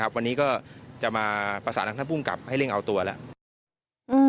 วันนี้ก็จะมาประสานทางท่านภูมิกับให้เร่งเอาตัวแล้ว